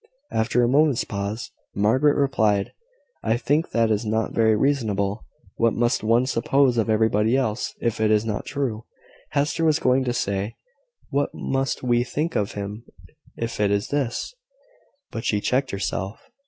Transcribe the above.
After a moment's pause, Margaret replied "I think that is not very reasonable. What must one suppose of everybody else, if it is not true?" Hester was going to say, "What must we think of him, if it is?" but she checked herself.